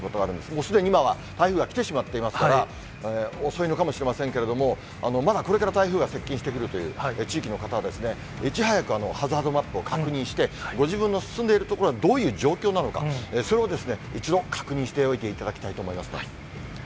もうすでに今は台風が来てしまっていますから、遅いのかもしれませんけれども、まだ、これから台風が接近してくるという地域の方は、いち早くハザードマップを確認して、ご自分の住んでいる所はどう台風１４号の接近で、空の便や新幹線などにも影響が出ています。